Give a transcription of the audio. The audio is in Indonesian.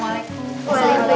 pak yai istaghfah